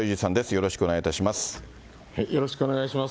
よろしくお願いします。